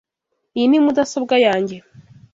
Iyi ni mudasobwa yanjye.